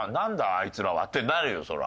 あいつらは」ってなるよそら。